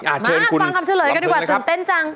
มาฟังคำเฉลยกันดีกว่าตื่นเต้นจัง